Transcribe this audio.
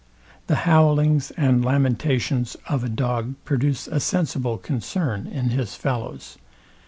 The howlings and lamentations of a dog produce a sensible concern in his fellows.